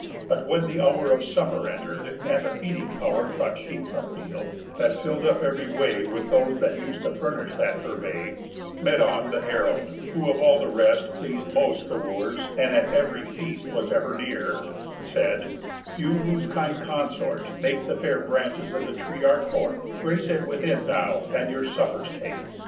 But when the hour Of supper enter'd, and the feeding pow'r Brought sheep from field, that fill'd up ev'ry way With those that us'd to furnish that purvey, Medon, the herald (who of all the rest Pleas'd most the Wooers, and at ev'ry feast Was ever near) said: "You whose kind consort Make the fair branches of the tree our court, Grace it within now, and your suppers take.